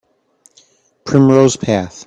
Primrose path